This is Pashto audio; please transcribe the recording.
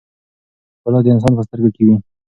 ښکلا د انسان په سترګو کې وي.